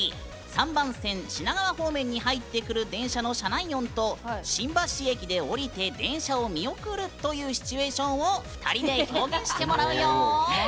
３番線、品川方面に入ってくる電車の車内音と新橋駅で降りて電車を見送るというシチュエーションを２人でやってもらうよ。